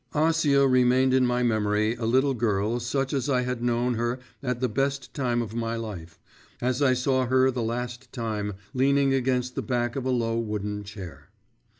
Acia remained in my memory a little girl such as I had known her at the best time of my life, as I saw her the last time, leaning against the back of a low wooden chair.